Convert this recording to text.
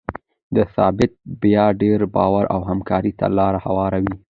دا ثبات بیا ډیر باور او همکارۍ ته لاره هواروي.